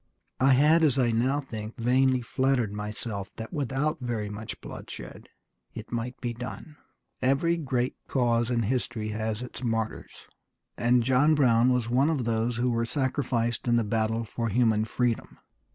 I had, as I now think vainly, flattered myself that without very much bloodshed it might be done." Every great cause in history has its martyrs, and John Brown was one of those who were sacrificed in the battle for human freedom.